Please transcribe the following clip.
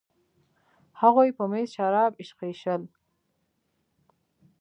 هغوی په میز شراب ایشخېشل.